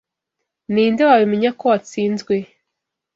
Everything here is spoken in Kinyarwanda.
Ninde wabimenya ko watsinzwe?